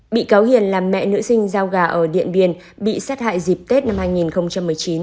bị cáo hiền là mẹ nữ sinh giao gà ở điện biên bị sát hại dịp tết năm hai nghìn một mươi chín